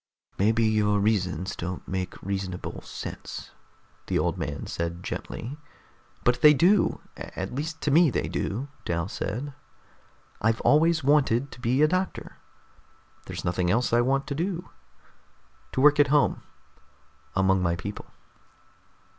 "Maybe your reasons don't make reasonable sense," the old man said gently. "But they do! At least to me, they do," Dal said. "I've always wanted to be a doctor. There's nothing else I want to do. To work at home, among my people."